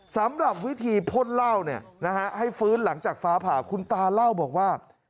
สำหรับวิธีพ่นเหล้าเนี่ยนะฮะให้ฟื้นหลังจากฟ้าผ่าคุณตาเล่าบอกว่า